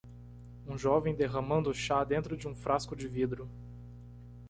um jovem derramando chá dentro de um frasco de vidro.